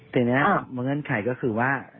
ทีนี้เมื่องั้นใครก็คือว่า